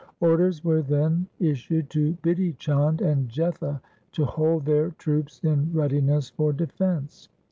Orders were then issued to Bidhi Chand and Jetha to hold their troops in readiness for defence.